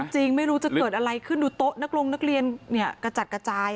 จริงไม่รู้จะเกิดอะไรขึ้นดูโต๊ะนักลงนักเรียนเนี่ยกระจัดกระจาย